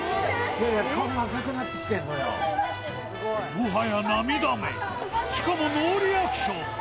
もはや涙目しかもノーリアクション